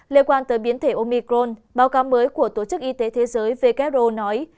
liên quan tới biến thể omicron báo cáo mới của tổ chức y tế thế giới who nói